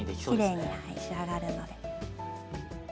きれいに仕上がるので。